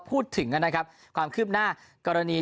พูดถึงนะครับความคืบหน้ากรณี